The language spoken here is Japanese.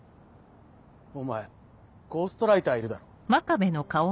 お前ゴーストライターいるだろ。